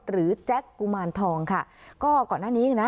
แจ็คกุมารทองค่ะก็ก่อนหน้านี้นะ